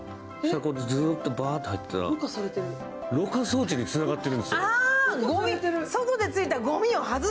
ずっとばーっと入ってきたらろ過装置につながっているんですよ。